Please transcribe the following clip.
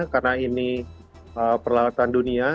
karena ini perlahan lahan dunia